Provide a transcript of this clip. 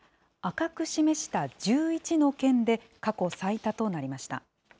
赤く示した１１の県で、過去最多となりました。